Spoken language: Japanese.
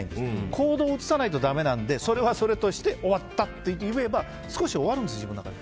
行動に移さないとだめなのでそれはそれとして終わったって言えば少し終わるんです、自分の中で。